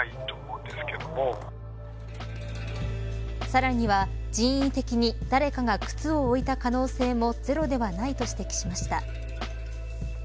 さらには人為的に誰かが靴を置いた可能性もゼロではないと指摘しました。